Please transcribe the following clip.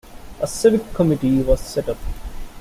A Civic Committee was set up.